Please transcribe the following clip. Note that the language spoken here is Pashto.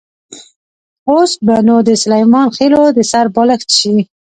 اوس به نو د سلیمان خېلو د سر بالښت شي.